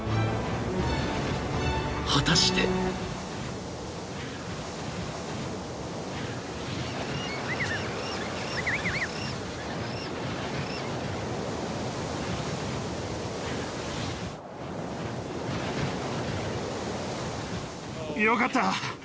［果たして］よかった！